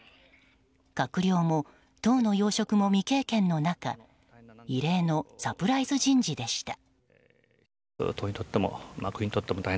閣僚も党の要職も未経験の中異例のサプライズ人事でした。